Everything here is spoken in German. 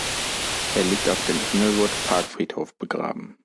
Er liegt auf dem Inglewood Park Friedhof begraben.